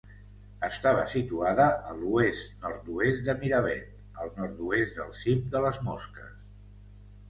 Estava situada a l'oest-nord-oest de Miravet, al nord-oest del cim de les Mosques.